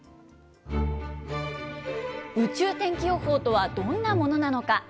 宇宙天気予報とはどんなものなのか。